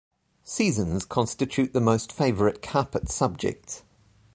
Seasons constitute the most favorite carpet subjects.